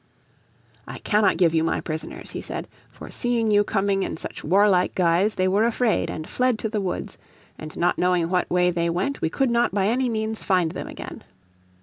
"I cannot give you my prisoners," he said. "For seeing you coming in such warlike guise they were afraid and fled to the woods. And not knowing what way they went we could not by any means find them again."